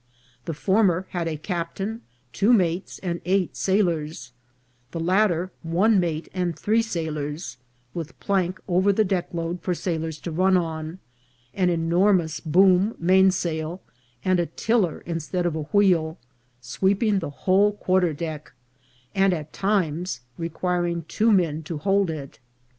The former had a captain, two mates, and eight sailors ; the latter one mate and three sailors, with plank over the deck load for sailors to run on, an enormous boom main sail, and a tiller instead of a wheel, sweeping the whole quarter deck, and at times requiring two men to hold it.